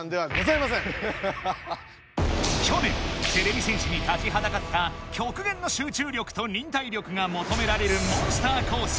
去年てれび戦士に立ちはだかったきょくげんの集中力と忍耐力がもとめられるモンスターコース